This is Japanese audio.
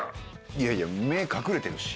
いやいや目隠れてるし。